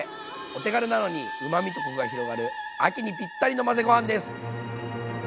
お手軽なのにうまみとコクが広がる秋にぴったりの混ぜご飯です。